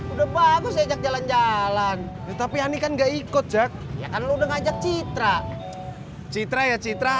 udah bagus aja jalan jalan tetapi ani kan nggak ikut jack kan udah ngajak citra citra ya citra